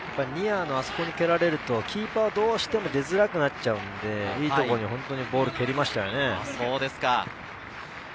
ニアのあそこに蹴られるとキーパーはどうしても出づらくなっちゃうんで、いいところに本当にボールを蹴りましたよね。